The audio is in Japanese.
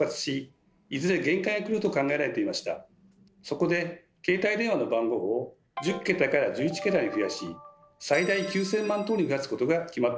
そこで携帯電話の番号を１０桁から１１桁に増やし最大９，０００万通りに増やすことが決まったんです。